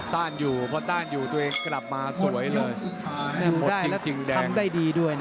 ต้านอยู่เพราะต้านอยู่ตัวเองกลับมาสวยเลย